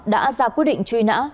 đã ra quyết định truy nã